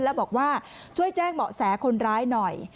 แล้วบอกว่าช่วยแจ้งเบาะแสคนร้ายหน่อย